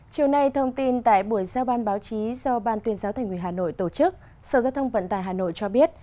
chiều nay thông tin tại buổi giao ban báo chí do ban tuyên giáo thành ủy hà nội tổ chức sở giao thông vận tài hà nội cho biết